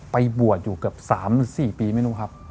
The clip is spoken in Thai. ไปบวชอยู่เกือบ๓๔ปีไม่รู้ครับ